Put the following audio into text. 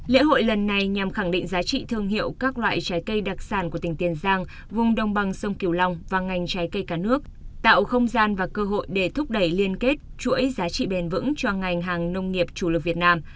lễ hội lần này nhằm khẳng định giá trị thương hiệu các loại trái cây đặc sản của tỉnh tiền giang vùng đồng bằng sông kiều long và ngành trái cây cả nước tạo không gian và cơ hội để thúc đẩy liên kết chuỗi giá trị bền vững cho ngành hàng nông nghiệp chủ lực việt nam